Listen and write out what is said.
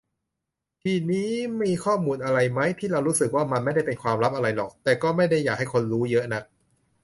ทีนี้ มีข้อมูลอะไรมั๊ย ที่เรารู้สึกว่า มันไม่ได้เป็นความลับอะไรหรอก แต่ก็ไม่ได้อยากให้คนรู้เยอะนัก